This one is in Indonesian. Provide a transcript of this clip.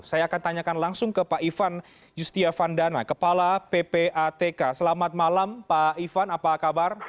saya akan tanyakan langsung ke pak ivan yustiavandana kepala ppatk